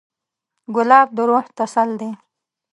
ګلاب د روح تسل دی.